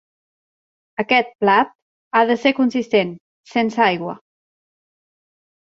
Aquest plat ha de ser consistent, sense aigua.